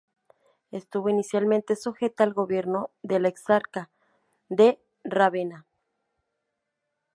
Estuvo inicialmente sujeta al Gobierno de la Exarca de Rávena.